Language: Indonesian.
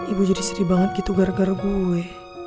ibu jadi seri banget gitu gara gara gue